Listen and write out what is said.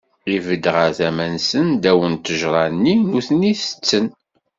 Ibedd ɣer tama-nsen, ddaw n ṭṭajṛa-nni, nutni tetten.